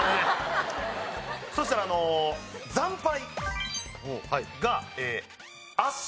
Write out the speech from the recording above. そしたら惨敗が圧勝。